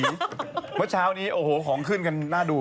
เมื่อเช้านี้โอ้โหของขึ้นกันน่าดู